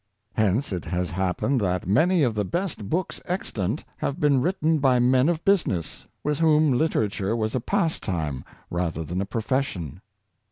Hence it has happened that many of the best books extant have been written by men of business, with whom literature was a pastime rather than a profession.